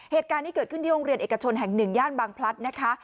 เหตุการณ์นี้เกิดขึ้นที่โรงเรียนเอกชนแห่งหนึ่งย่านบางพลัดนะคะ